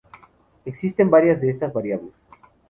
Existen varias de estas variables.